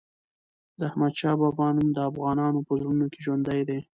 د احمد شاه بابا نوم د افغانانو په زړونو کې ژوندی دی.